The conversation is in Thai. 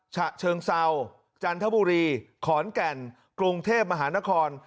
ฉะเชิงเซาจันทบุรีขอนแก่นกรุงเทพมหานคร